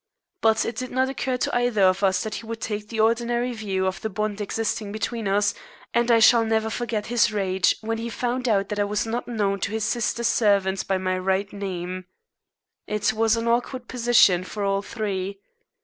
But it did not occur to either of us that he would take the ordinary view of the bond existing between us, and I shall never forget his rage when he found out that I was not known to his sister's servants by my right name. It was an awkward position for all three.